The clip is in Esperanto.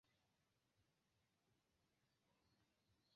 Tio aludas la centran situon de la Aŭstro-Hungara imperio en Eŭropo.